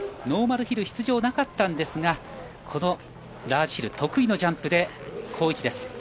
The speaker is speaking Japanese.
ノーマルヒル出場はなかったんですがこのラージヒル得意のジャンプで好位置です。